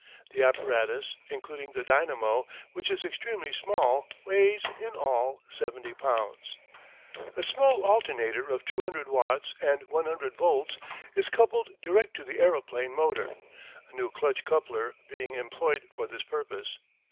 The apparatus, including the dynamo, which is extremely small, weighs in all 70 pounds. A small alternator of 200 watts and 100 volts is coupled direct to the aeroplane motor, a new clutch coupler being employed for this purpose.